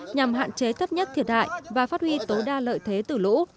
nhằm hạn chế thấp nhất thiệt hại và phát huy tối đa lợi thế từ lũ